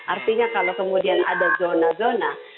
artinya kalau kemudian ada zona zona